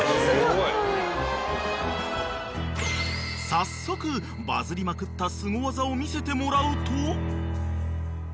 ［早速バズりまくったスゴ技を見せてもらうと］